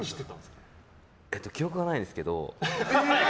記憶がないんですけど。